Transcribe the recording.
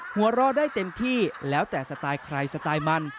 หัวเราะได้เต็มที่แล้วแต่สไตล์ใครสไตล์มัน